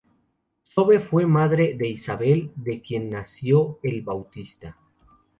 Sobe fue madre de Isabel, de quien nació el Bautista.